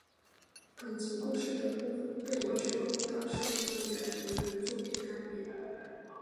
感情故事的部分被之后大受欢迎的同名作品改编。